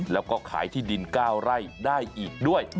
แล้วก็ขายที่ดิน๙ไร่ได้อีกด้วย